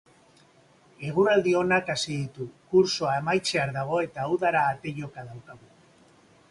Eguraldi onak hasi ditu, kursoa amaitzear dago eta udara ate joka daukagu.